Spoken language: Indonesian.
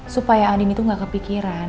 supaya adin itu gak kepikiran